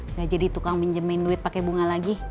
nggak jadi tukang pinjemin duit pakai bunga lagi